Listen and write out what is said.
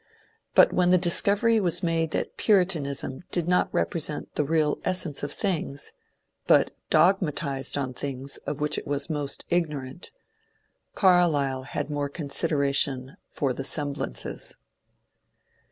But when the discovery was made that Puritanism did not represent the real essence of things, but dogmatized on things of which it was most ignorant, Car lyle had more consideration for the ^^ semblances."